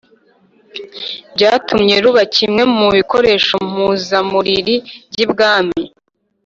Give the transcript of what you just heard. Byatumye ruba kimwe mu bikoresho mpuzamuriri by’ibwami.